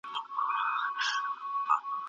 او په اتڼ کې نجونې کیني په خرپ